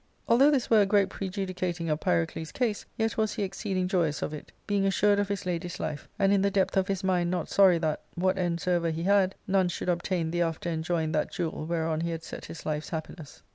Although this were a great prejudicating of Pyrocles' case, yet was he exceeding joyous of it, being assured of his lady's life ; and in the depth of his mind not sorry that, what end soever he had, none should obtain the after enjoying that jewel whereon he had set his life's happiness.